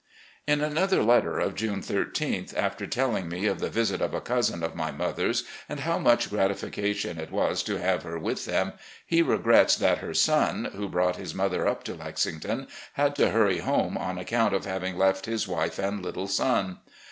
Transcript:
In another letter, of June 13th, after telling me of the visit of a cousin of my mother's and how much gratifica tion it was to have her with them, he regrets that her son. who brought his mother up to Lexington, had to hurry home on accotmt of having left his wife and little son